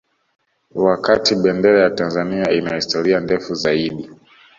Wakati Bendera ya Tanzania ina historia ndefu zaidi